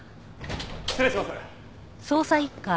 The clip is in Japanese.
失礼します。